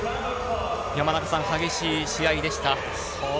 山中さん、激しい試合でした。